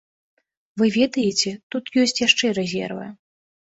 Вы ведаеце, тут ёсць яшчэ рэзервы.